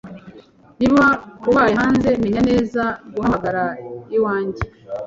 Niba ubaye hanze, menya neza guhamagara iwanjye